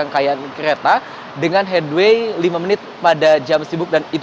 kita bisa melihat